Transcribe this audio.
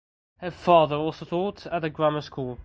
Her father also taught at the grammar school.